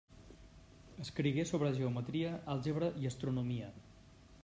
Escrigué sobre geometria, àlgebra i astronomia.